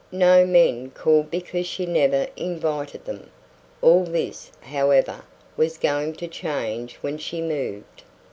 No young men called because she never invited them. All this, however, was going to change when she moved.